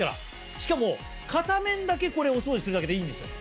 しかも片面だけこれお掃除するだけでいいんですよ。